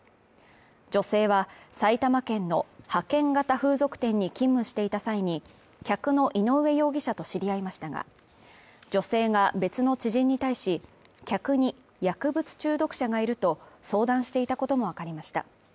女性は埼玉県の派遣型風俗店に勤務していた際に、客の井上容疑者と知り合いましたが、女性が別の知人に対し、客に薬物中毒者がいると相談していたこともわかりました。